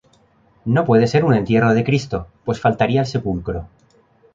No puede ser un entierro de Cristo, pues faltaría el sepulcro.